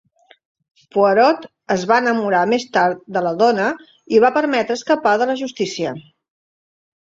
Poirot es va enamorar més tard de la dona i va permetre escapar de la justícia.